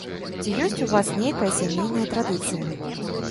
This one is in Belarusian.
Ці ёсць у вас нейкая сямейная традыцыя?